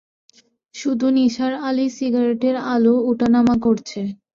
শুধু নিসার আলির সিগারেটের আলো ওঠানামা করছে।